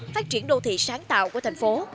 phát triển đô thị sáng tạo của thành phố